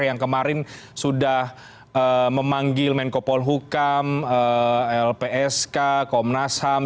yang kemarin sudah memanggil menko polhukam lpsk komnas ham